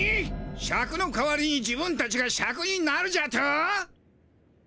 シャクの代わりに自分たちがシャクになるじゃと？